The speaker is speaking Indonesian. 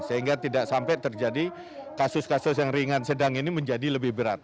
sehingga tidak sampai terjadi kasus kasus yang ringan sedang ini menjadi lebih berat